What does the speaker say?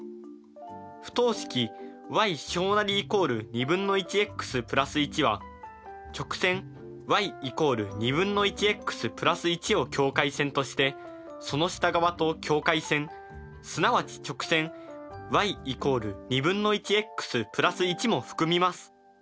不等式ｙ≦２分の１ｘ＋１は直線ｙ＝２分の１ｘ＋１を境界線としてその下側と境界線すなわち直線ｙ＝２分の１ｘ＋１も含みます。